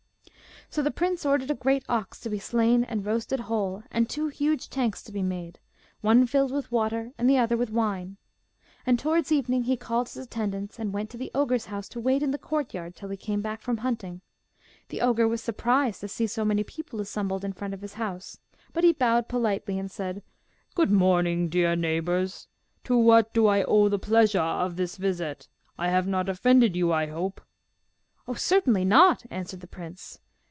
So the prince ordered a great ox to be slain and roasted whole, and two huge tanks to be made, one filled with water and the other with wine. And towards evening he called his attendants and went to the ogre's house to wait in the courtyard till he came back from hunting. The ogre was surprised to see so many people assembled in front of his house; but he bowed politely and said, 'Good morning, dear neighbours! To what do I owe the pleasure of this visit? I have not offended you, I hope?' 'Oh, certainly not!' answered the prince.